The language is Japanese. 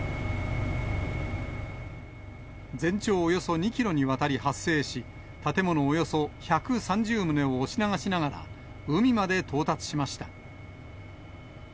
全長およそ２キロにわたり発生し、建物およそ１３０棟を押し流しながら、海まで到達しました。